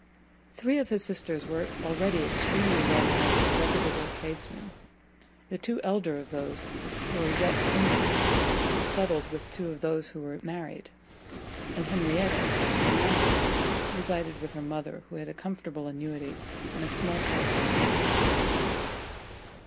Three of his sisters were already extremely well married to reputable tradesmen; the two elder of those who were yet single were settled with two of those who were married, and Henrietta, the youngest, resided with her mother, who had a comfortable annuity, and a small house at Padington.